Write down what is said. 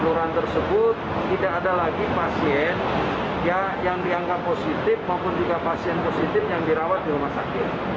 kelurahan tersebut tidak ada lagi pasien yang dianggap positif maupun juga pasien positif yang dirawat di rumah sakit